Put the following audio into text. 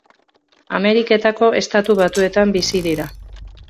Ameriketako Estatu Batuetan bizi dira.